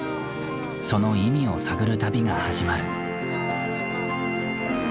その意味を探る旅が始まる。